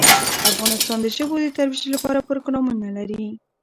افغانستان د ژبو د ترویج لپاره پروګرامونه لري.